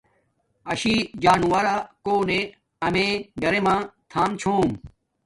ایشی جانورو کونے امیے گھرما تھان چھوم